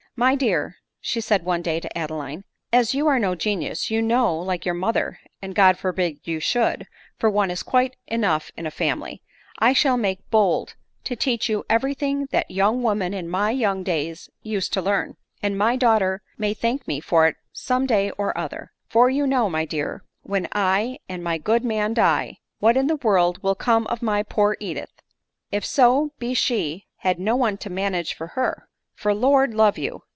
" My dear," said she one day to Adeline, " as you are no genius, you know, like your mother, (and God forbid you should ! for one is quite enough in a family,) I shall make bold to teach you every thing that young women in my young days used to learn, and my daughter may thank me tor it some d$y or other; for you know, my dear, when I and my good man die, what in the world will come of my poor Edith, if so be she had no one to man age for her ! for, Lord love you